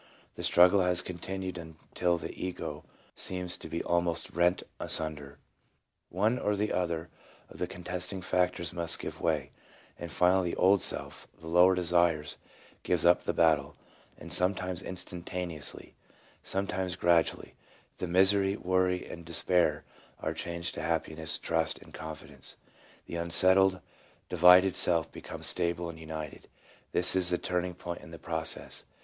The struggle has continued until the ego seems to be almost rent asunder ; one or the other of the contesting factors must give way, and finally the old self, the lower desires, gives up the battle, 2 and sometimes instantaneously, sometimes gradually, the misery, worry, and despair are changed to happiness, trust, and confidence ; the unsettled, divided self becomes stable and united. This is the turning point in the process.